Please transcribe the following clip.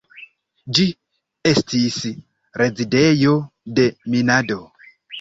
Ĝi estis rezidejo de minado.